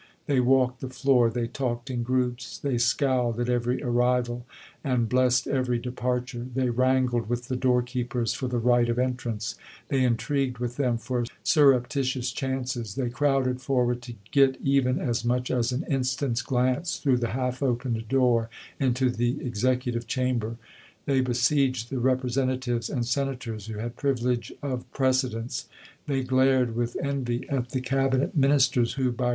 They walked the floor ; they talked in groups ; they scowled at every arrival and blessed every departure; they wrangled with the door keepers for the right of entrance; they intrigued with them for surreptitious chances ; they crowded for ward to get even as much as an instant's glance through the half opened door into the Executive chamber. They besieged the Representatives and Senators who had privilege of precedence; they THE CALL TO AKMS 69 glared with envy at the Cabinet Ministers who, by chap.